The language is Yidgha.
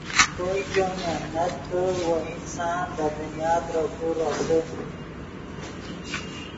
کوئے کہ محنت چے کڑ وہ انسان دے دنیا ترے کو چے روسے